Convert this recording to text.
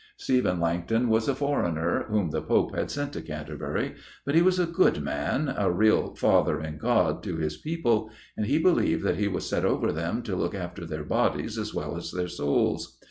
Stephen Langton was a foreigner, whom the Pope had sent to Canterbury, but he was a good man, a real 'Father in God' to his people, and he believed that he was set over them to look after their bodies as well as their souls.